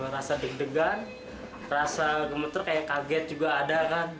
rasa deg degan rasa gemeter kayak kaget juga ada kan